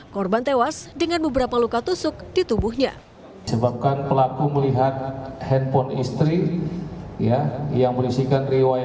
korban tewas dengan beberapa luka tusuk di tubuhnya